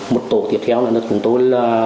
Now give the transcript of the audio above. một tổ tiếp theo là chúng tôi